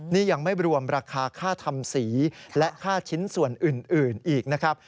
นี่ยังไม่รวมราคาค่าทำสีและค่าชิ้นส่วนอื่นอีกนะครับ